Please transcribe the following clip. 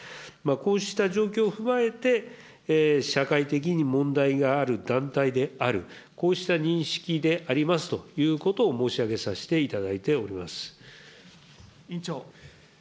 こうした状況を踏まえて、社会的に問題がある団体である、こうした認識でありますということを申し上げさせていただいてお委員長。